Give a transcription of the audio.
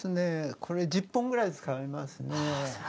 これは１０本ぐらい使いますね。